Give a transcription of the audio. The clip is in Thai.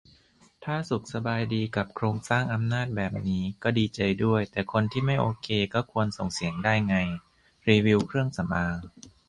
ถ้าสุขสบายดีกับโครงสร้างอำนาจแบบนี้ก็ดีใจด้วย แต่คนที่ไม่โอเคก็ควรส่งเสียงได้ไง รีวิวเครื่องสำอาง